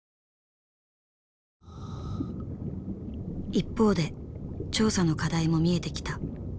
一方で調査の課題も見えてきた。